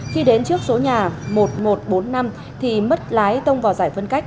khi đến trước số nhà một nghìn một trăm bốn mươi năm thì mất lái tông vào giải phân cách